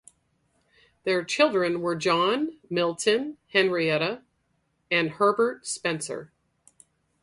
Their children were John Milton, Henrietta, and Herbert Spencer.